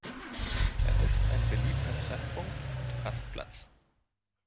Er ist ein beliebter Treffpunkt und Rastplatz.